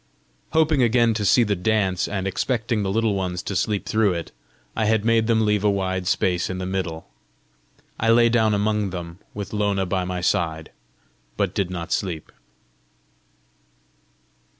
Hoping again to see the dance, and expecting the Little Ones to sleep through it, I had made them leave a wide space in the middle. I lay down among them, with Lona by my side, but did not sleep.